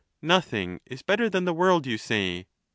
IX. Nothing is better than the world, you say.